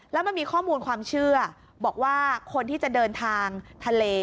แล้วมันมีข้อมูลความเชื่อบอกว่าคนที่จะเดินทางทะเล